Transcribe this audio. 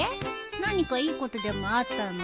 何かいいことでもあったの？